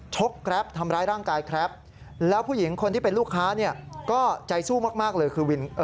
แกรปทำร้ายร่างกายแกรปแล้วผู้หญิงคนที่เป็นลูกค้าเนี่ยก็ใจสู้มากเลยคือวิน